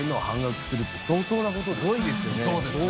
すごいですよね。